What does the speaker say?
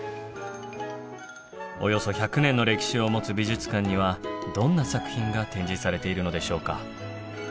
およそ１００年の歴史を持つ美術館にはどんな作品が展示されているのでしょうか。